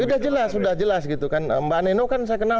sudah jelas sudah jelas mbak neno kan saya kenal